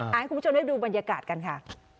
ให้คุณผู้ชมได้ดูบรรยากาศกันค่ะ